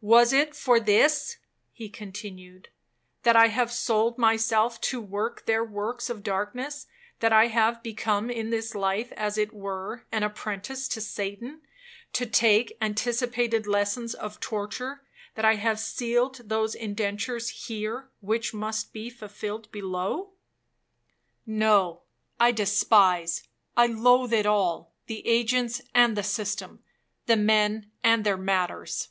'Was it for this,' he continued, 'that I have sold myself to work their works of darkness,—that I have become in this life as it were an apprentice to Satan, to take anticipated lessons of torture,—that I have sealed those indentures here, which must be fulfilled below? No, I despise—I loathe it all, the agents and the system,—the men and their matters.